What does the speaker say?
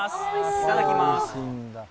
いただきます。